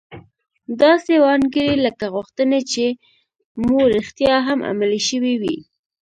داسې وانګيرئ لکه غوښتنې چې مو رښتيا هم عملي شوې وي.